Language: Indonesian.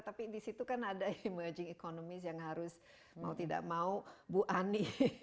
tapi di situ kan ada emerging economy yang harus mau tidak mau bu ani